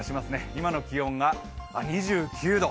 今の気温が２９度。